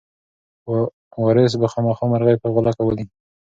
وارث به خامخا مرغۍ په غولکه ولي.